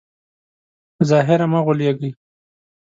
په ظاهر مه غولېږئ.